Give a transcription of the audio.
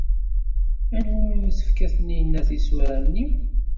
Anwa umi tefka Taninna tisura-nni?